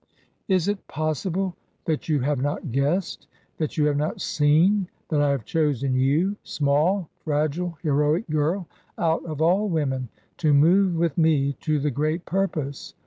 Is it possible that you have not guessed — ^that you have not seen that I have chosen you, small, fragile, heroic girl, out of all women, to move with me to the great purpose